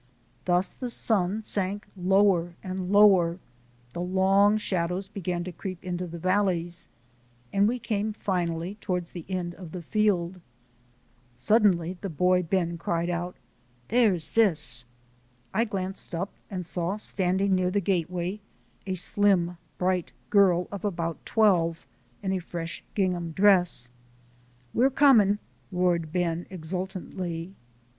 Thus the sun sank lower and lower, the long shadows began to creep into the valleys, and we came finally toward the end of the field. Suddenly the boy Ben cried out: "There's Sis!" I glanced up and saw standing near the gateway a slim, bright girl of about twelve in a fresh gingham dress. "We're coming!" roared Ben, exultantly.